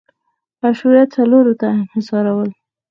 مشروعیت څلورو ته انحصارول